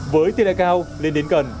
với tiền đại cao lên đến gần chín mươi